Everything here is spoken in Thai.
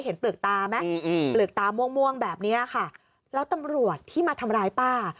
เปลือกตาไหมเปลือกตาม่วงแบบนี้ค่ะแล้วตำรวจที่มาทำร้ายป้า